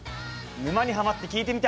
「沼にハマってきいてみた」